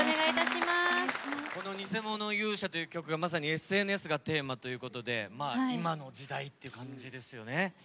この「偽物勇者」という曲がまさにＳＮＳがテーマということで今の時代っていう感じですよね。